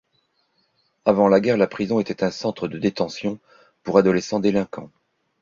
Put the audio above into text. Avant la guerre, la prison était un centre de détention pour adolescents délinquants.